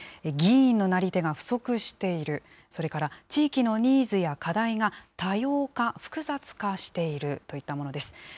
議員のなり手が不足している、それから地域のニーズや課題が多様化、複雑化しているといったものです。